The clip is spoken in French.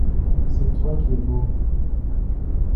C’est toi qui es beau.